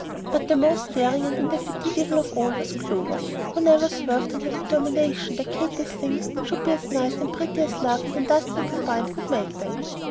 But the most daring and indefatigable of all was Clover, who never swerved in her determination that Katy's "things" should be as nice and as pretty as love and industry combined could make them.